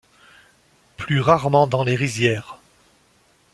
Plus rarement dans les rizières.